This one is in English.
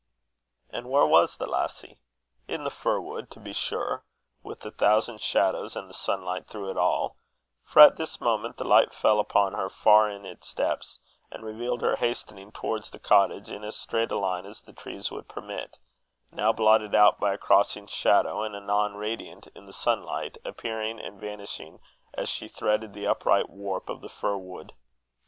And where was the lassie? In the fir wood, to be sure, with the thousand shadows, and the sunlight through it all; for at this moment the light fell upon her far in its depths, and revealed her hastening towards the cottage in as straight a line as the trees would permit, now blotted out by a crossing shadow, and anon radiant in the sunlight, appearing and vanishing as she threaded the upright warp of the fir wood.